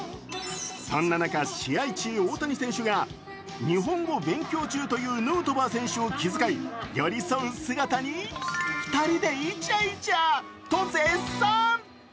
そんな中、試合中大谷選手が日本語勉強中というヌートバー選手を気遣い寄り添う姿が２人でいちゃいちゃと絶賛。